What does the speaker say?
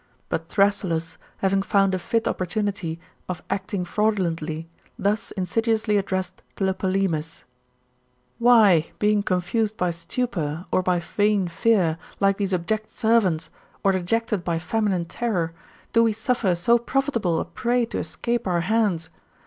But Thrasyllus, having found a fit opportunity of acting fraudulently, thus insidiously addressed Tlepolemus: 'Why being confiised by stupor, or by vain fear, like these abject servants, or dejected by feminine terror, do we suffer so profit able a prey to escape our hsmds